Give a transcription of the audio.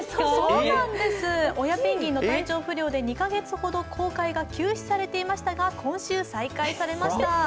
親ペンギンの体調不良で２カ月ほど公開が休止されていましたが、今週再開されました。